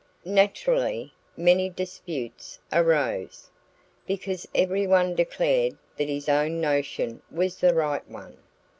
Naturally, many disputes arose, because everyone declared that his own notion was the right one.